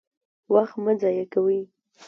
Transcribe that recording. وخت مه ضایع کوئ